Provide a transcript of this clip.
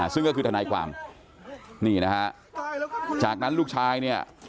ซึ่งก็คือทนายความนี่นะฮะจากนั้นลูกชายเนี่ย